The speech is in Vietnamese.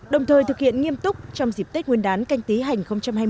đồng thời thực hiện nghiêm túc trong dịp tết nguyên đán canh tí hành hai mươi